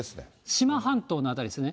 志摩半島の辺りですね。